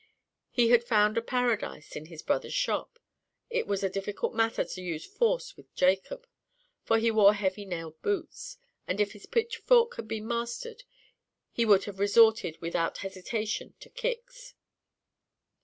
And he had found a paradise in his brother's shop. It was a difficult matter to use force with Jacob, for he wore heavy nailed boots; and if his pitchfork had been mastered, he would have resorted without hesitation to kicks.